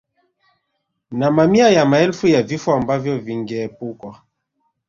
Na mamia ya maelfu ya vifo ambavyo vingeepukwa